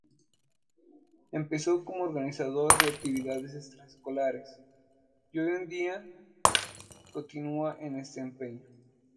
Empezó como organizador de actividades extraescolares y hoy en día continúa en este empeño.